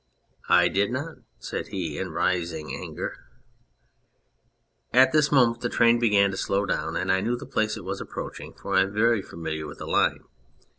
" I did not," said he, in a rising anger. At this moment the train began to slow down, and 1 knew the place it was approaching, for I am very familiar with the line.